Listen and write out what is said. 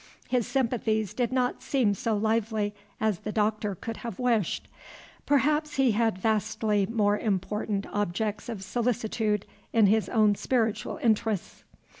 His sympathies did not seem so lively as the Doctor could have wished. Perhaps he had vastly more important objects of solicitude in his own spiritual interests.